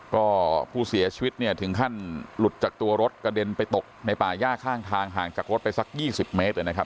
ก็ผู้เสียชีวิตเนี่ยถึงขั้นหลุดจากตัวรถกระเด็นไปตกในป่าย่าข้างทางห่างจากรถไปสัก๒๐เมตรเลยนะครับ